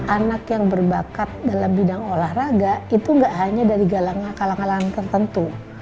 anak yang berbakat dalam bidang olahraga itu gak hanya dari kalang kalangan tertentu